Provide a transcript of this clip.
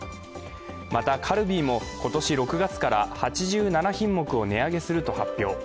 また、カルビーも今年６月から８７品目を値上げすると発表。